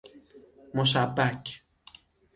مشبک